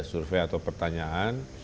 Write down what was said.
survei atau pertanyaan